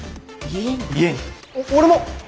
俺も！